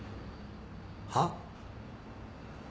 はっ？